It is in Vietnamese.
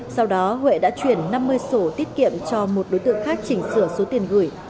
sau đó huệ đã chuyển năm mươi sổ tiết kiệm cho một đối tượng khác chỉnh sửa số tiền gửi